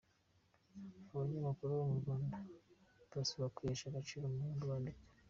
Abanyamakuru bo mu Rwanda barasabwa kwihesha agaciro mu nkuru bandika